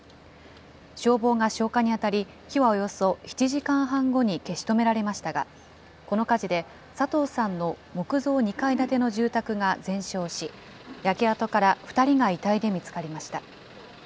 消防が消火に当たり、火はおよそ７時半後に消し止められましたが、この火事で、佐藤さんの木造２階建ての住宅が全焼し、焼け跡から２人が遺体で見つかりました。